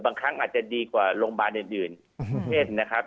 บางครั้งอาจจะดีกว่าโรงพยาบาลอื่นเช่นนะครับ